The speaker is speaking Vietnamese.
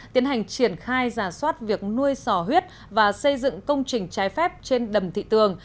tiến hành triển khai giả soát việc nuôi sò huyết và xây dựng công trình trái phép trên đầm thị tường